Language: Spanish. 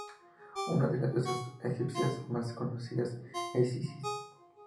Una de las diosas egipcias más conocidas es Isis.